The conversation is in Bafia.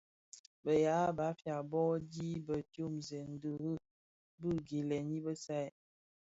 Bë ya mbam bō dhi di diomzèn dirim bi gilèn i bisai.